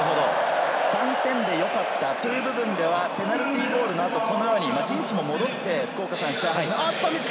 ３点で良かったという部分ではペナルティーゴールのあとこのように陣地も戻って試合が始まります。